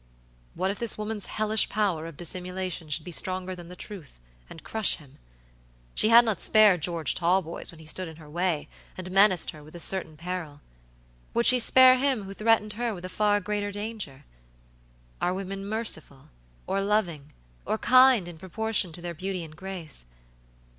"What if this woman's hellish power of dissimulation should be stronger than the truth, and crush him? She had not spared George Talboys when he stood in her way and menaced her with a certain peril; would she spare him who threatened her with a far greater danger? Are women merciful, or loving, or kind in proportion to their beauty and grace?